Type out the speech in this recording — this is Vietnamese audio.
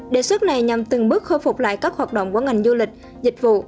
đề xuất này nhằm từng bước khôi phục lại các hoạt động của ngành du lịch dịch vụ